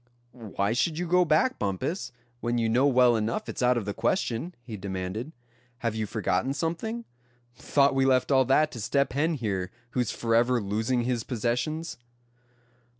"Why should you go back, Bumpus, when you know well enough it's out of the question?" he demanded. "Have you forgotten something? Thought we left all that to Step Hen here, who's forever losing his possessions?"